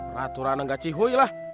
raturan enggak cihuy lah